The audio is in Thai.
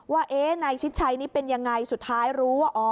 ว่านายชิดชัยนี่เป็นยังไงสุดท้ายรู้ว่า